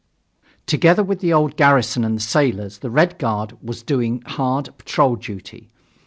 Together with the old garrison and the sailors, the Red Guard was doing hard patrol duty.